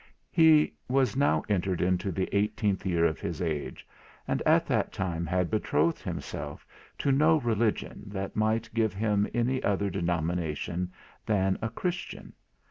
He was now entered into the eighteenth year of his age; and at that time had betrothed himself to no religion that might give him any other denomination than a Christian.